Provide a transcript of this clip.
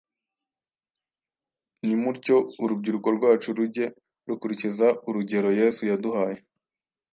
Nimutyo urubyiruko rwacu rujye rukurikiza urugero Yesu yaduhaye,